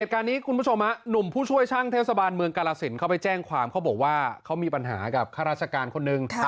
คุณผู้ชมหนุ่มผู้ช่วยช่างเทศบาลเมืองกาลสินเขาไปแจ้งความเขาบอกว่าเขามีปัญหากับข้าราชการคนหนึ่ง